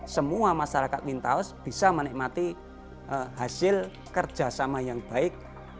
semua masyarakat wintaus bisa menikmati hasil kerjasama yang baik